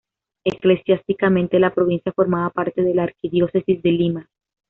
Eclesiásticamente la provincia formaba parte de la Arquidiócesis de Lima.